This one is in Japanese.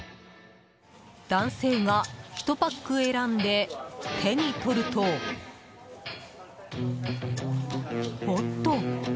男性が、１パック選んで手に取るとおっと！